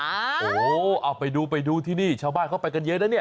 โหเอาไปดูที่นี่ชาวบ้านเขาไปกันเยอะนะนี่